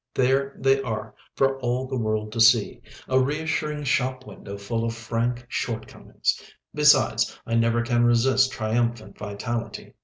There they are for all the world to see, a reassuring shop window full of frank shortcomings. Besides, I never can resist triumphant vitality.